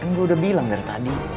kan gue udah bilang dari tadi